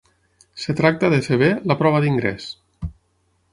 Es tracta de fer bé la prova d'ingrés.